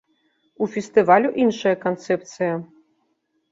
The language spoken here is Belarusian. У фестывалю іншая канцэпцыя.